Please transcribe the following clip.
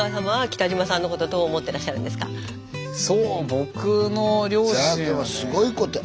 そう僕の両親はね。すごいことや。